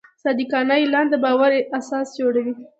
صادقانه اعلان د باور اساس جوړوي.